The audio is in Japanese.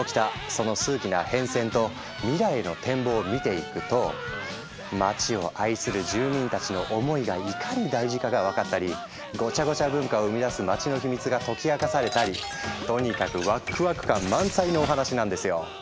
その数奇な変遷と未来への展望を見ていくと街を愛する住民たちの思いがいかに大事かが分かったりごちゃごちゃ文化を生み出す街のヒミツが解き明かされたりとにかくワクワク感満載のお話なんですよ。